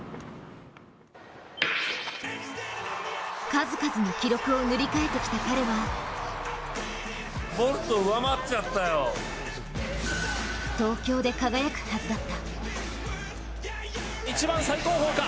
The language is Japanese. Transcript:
数々の記録を塗り替えてきた彼は東京で輝くはずだった。